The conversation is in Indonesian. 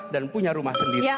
dan punya rumah sendiri